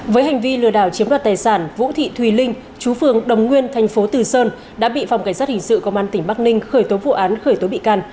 với hành vi lừa đảo chiếm đoạt tài sản vũ thị thùy linh chú phường đồng nguyên thành phố từ sơn đã bị phòng cảnh sát hình sự công an tỉnh bắc ninh khởi tố vụ án khởi tố bị can